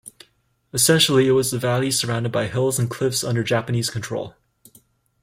Essentially, it was a valley surrounded by hills and cliffs under Japanese control.